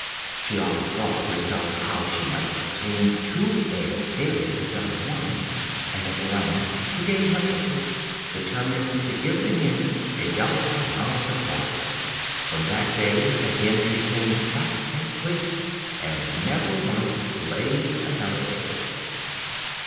She often thought with herself how she might obtain two eggs daily instead of one, and at last, to gain her purpose, determined to give the Hen a double allowance of barley. From that day the Hen became fat and sleek, and never once laid another egg.